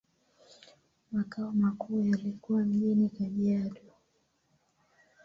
Makao makuu yalikuwa mjini Kajiado.